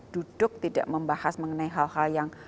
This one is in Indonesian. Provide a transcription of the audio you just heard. duduk tidak membahas mengenai hal hal yang